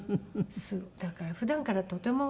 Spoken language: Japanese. だから普段からとても。